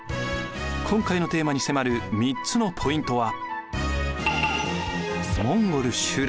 今回のテーマに迫る３つのポイントは。